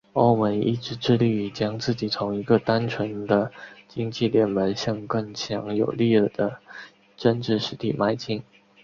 欧盟一直致力于将自己从一个单纯的经济联盟向更强有力的政治实体迈进。